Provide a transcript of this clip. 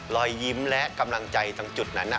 รอยยิ้มและกำลังใจตรงจุดนั้น